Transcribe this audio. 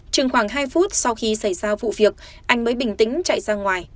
chừng khoảng hai phút sau khi xảy ra vụ việc anh mới bình tĩnh chạy ra ngoài